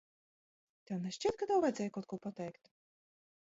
Tev nešķiet, ka tev vajadzēja kaut ko pateikt?